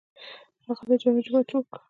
هغه د جامع جومات جوړ کړ.